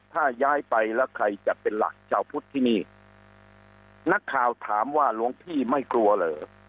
ถ้าย้ายไปแล้วใครจะเป็นหลักชาวพุทธที่นี่นักข่าวถามว่าหลวงพี่ไม่กลัวเหรอ